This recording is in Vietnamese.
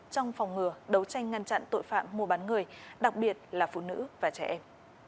trong phòng ngừa đấu tranh ngăn chặn tội phạm mua bán người đặc biệt là phụ nữ và trẻ em